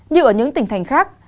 đều ở những tỉnh thành khác